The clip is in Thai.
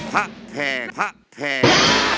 พระแพงพระแพง